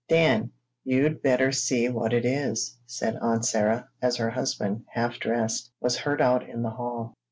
"Dan, you'd better see what it is," said Aunt Sarah, as her husband, half dressed, was heard out in the hall.